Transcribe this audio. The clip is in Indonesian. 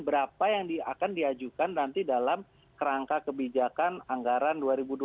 berapa yang akan diajukan nanti dalam kerangka kebijakan anggaran dua ribu dua puluh